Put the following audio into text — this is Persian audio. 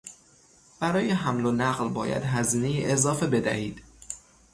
برای حمل و نقل باید هزینهی اضافه بدهید.